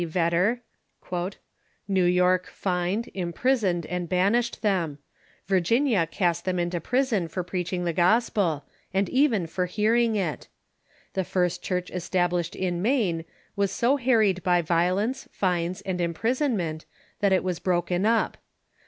Vedder ;" New York fined, imprisoned, and banished them ; Virginia cast them into prison for pi each ing the gospel, and even for hearing it ; the first church es tablished in Maine was so harried by violence, fines, and im prisonment that it was broken up.